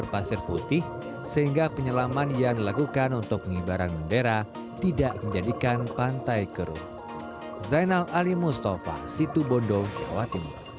pasir putih sehingga penyelaman yang dilakukan untuk pengibaran bendera tidak menjadikan pantai keruh